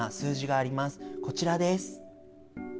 こちらです。